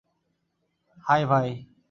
High, ভাই।